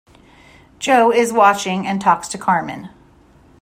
Joe is watching and talks to Carmen.